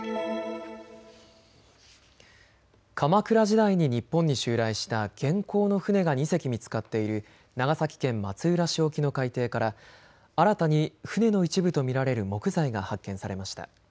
鎌倉時代に日本に襲来した元寇の船が２隻見つかっている長崎県松浦市沖の海底から新たに船の一部と見られる木材が発見されました。